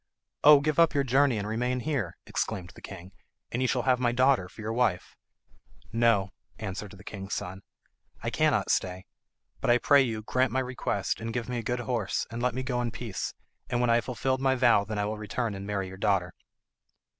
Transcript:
"Oh, give up your journey and remain here," exclaimed the king, "and you shall have my daughter for your wife." "No," answered the king's son, "I cannot stay; but, I pray you, grant my request, and give me a good horse, and let me go in peace, and when I have fulfilled my vow then I will return and marry your daughter."